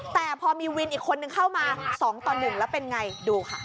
แต่พอมีวินอีกคนนึงเข้ามา๒ต่อ๑แล้วเป็นไงดูค่ะ